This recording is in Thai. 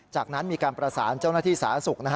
จากนั้นมีการประสานเจ้าหน้าที่สาธารณสุข